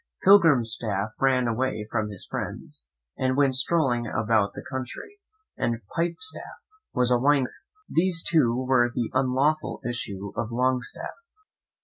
Pilgrimstaff ran away from his friends, and went strolling about the country; and Pipestaff was a wine cooper. These two were the unlawful issue of Longstaff.